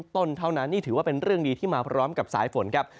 ต้นเท่านั้นนี่ถือว่าเป็นเรื่องดีที่มาพร้อมกับสายฝนครับ